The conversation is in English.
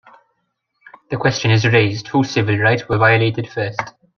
The question is raised - Whose civil rights were violated first?